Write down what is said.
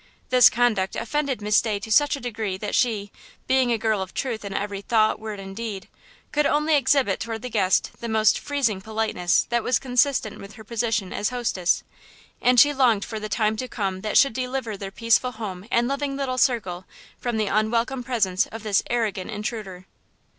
This conduct offended Miss Day to such a degree that she, being a girl of truth in every thought, word and deed, could only exhibit toward the guest the most freezing politeness that was consistent with her position as hostess, and she longed for the time to come that should deliver their peaceful home and loving little circle from the unwelcome presence of this arrogant intruder.